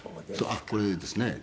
あっこれですね。